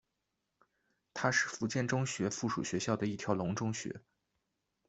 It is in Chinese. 它是福建中学附属学校的一条龙中学。